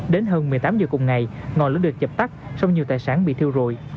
đến hơn một mươi tám h cùng ngày ngọn lửa được dập tắt xong nhiều tài sản bị thiêu rụi